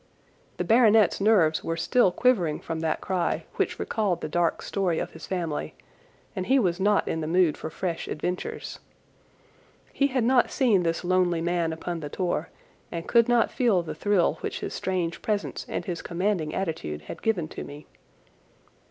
The baronet's nerves were still quivering from that cry, which recalled the dark story of his family, and he was not in the mood for fresh adventures. He had not seen this lonely man upon the tor and could not feel the thrill which his strange presence and his commanding attitude had given to me.